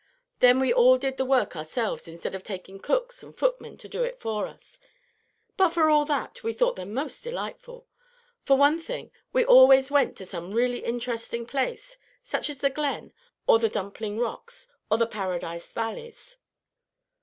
Then we did all the work ourselves instead of taking cooks and footmen to do it for us; but for all that, we thought them most delightful. For one thing, we always went to some really interesting place, such as the Glen, or the Dumpling Rocks, or the Paradise Valleys."